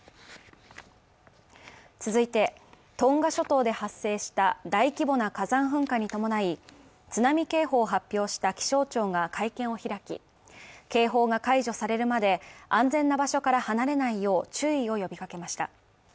続いて、トンガ諸島で発生した大規模な火山噴火に伴い、津波警報を発表した気象庁が会見を開き、警報が解除されるまで安全な場所から離れないよう注意を呼びかけました。